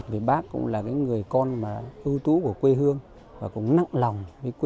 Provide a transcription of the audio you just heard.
vì bác cũng là người con ưu tú của quê hương và cũng nặng lòng